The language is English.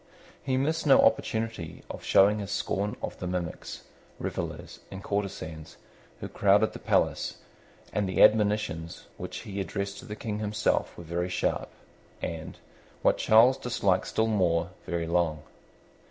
He missed no opportunity of showing his scorn of the mimics, revellers, and courtesans who crowded the palace; and the admonitions which he addressed to the King himself were very sharp, and, what Charles disliked still more, very long.